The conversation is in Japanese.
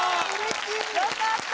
よかった！